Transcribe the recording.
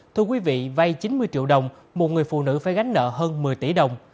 thưa quý vị vay chín mươi triệu đồng một người phụ nữ phải gánh nợ hơn một mươi tỷ đồng